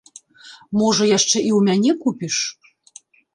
Можа, яшчэ і ў мяне купіш?